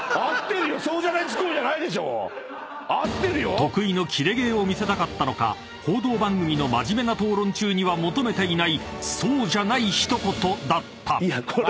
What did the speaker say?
［得意のキレ芸を見せたかったのか報道番組の真面目な討論中には求めていないそうじゃない一言だった］